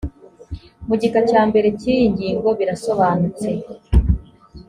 mu gika cya mbere cy iyi ngingo birasobanutse